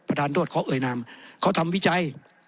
ทานโทษเขาเอ่ยนามเขาทำวิจัย